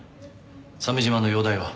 鮫島の容体は？